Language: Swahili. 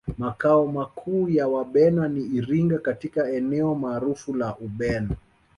Makao makuu ya Wabena ni Iringa katika eneo maarufu la Ubena